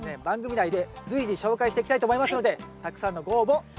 番組内で随時紹介していきたいと思いますのでたくさんのご応募。